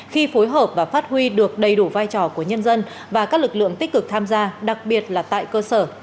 khi phối hợp và phát huy được đầy đủ vai trò của nhân dân và các lực lượng tích cực tham gia đặc biệt là tại cơ sở